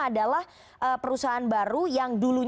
yang dulunya berkerja di perusahaan tersebut